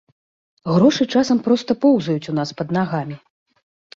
Грошы часам проста поўзаюць у нас пад нагамі.